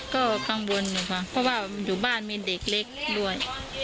ก็กังวลอยู่ค่ะเพราะว่าอยู่บ้านมีเด็กเล็กด้วย